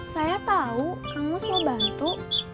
saya tau kang mus mau bantu